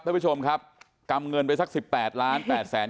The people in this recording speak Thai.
ท่านผู้ชมครับกำเงินไปซักสิบแปดล้านแปดแสน